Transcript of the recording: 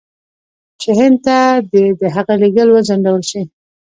چې هند ته دې د هغه لېږل وځنډول شي.